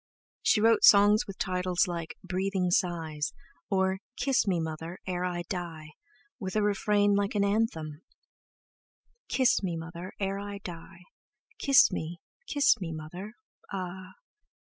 She wrote songs with titles like "Breathing Sighs," or "Kiss me, Mother, ere I die," with a refrain like an anthem: "Kiss me, Mother, ere I die; Kiss me kiss me, Mother, ah!